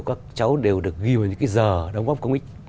các cháu đều được ghi vào những cái giờ đúng không